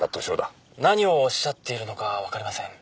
何をおっしゃっているのかわかりません。